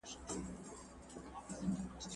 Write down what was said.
د رڼو ټاکنو نشتوالی د نظام مشروعیت زیانمنوي.